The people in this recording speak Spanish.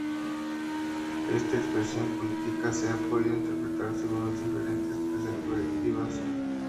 Esta expresión política se ha podido interpretar según diferentes perspectivas.